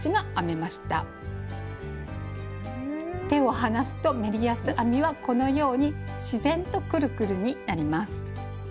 手を離すとメリヤス編みはこのように自然とくるくるになります。